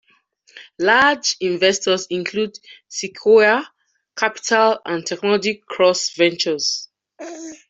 Large investors include Sequoia Capital and Technology Cross Ventures.